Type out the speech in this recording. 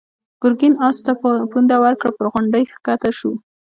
ګرګين آس ته پونده ورکړه، پر غونډۍ کښته شو.